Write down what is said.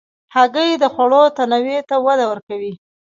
هګۍ د خوړو تنوع ته وده ورکوي.